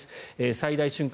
最大瞬間